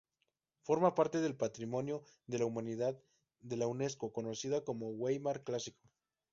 Forma parte del Patrimonio de la Humanidad de la Unesco, conocido como "Weimar clásico".